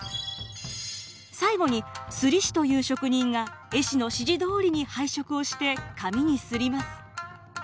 最後に摺師という職人が絵師の指示どおりに配色をして紙に摺ります。